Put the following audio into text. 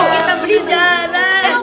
ini kita beli jarak